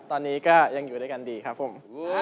ตอนนี้ก็ยังอยู่ด้วยกันดีครับผม